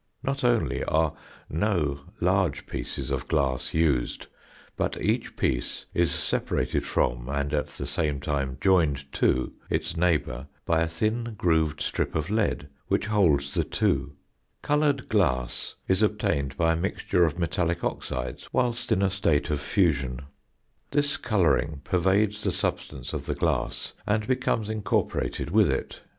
Not only are no large pieces of glass used, but each piece is separated from and at the same time joined to its neighbour by a thin grooved strip of lead which holds the two. "Coloured glass is obtained by a mixture of metallic oxides whilst in a state of fusion. This colouring pervades the substance of the glass and becomes incorporated with it."